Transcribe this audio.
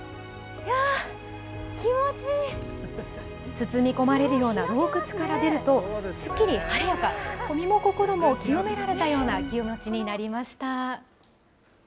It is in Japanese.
包み込まれるような洞窟から出ると、すっきり晴れやか、身も心も清められたような気持ちになりました。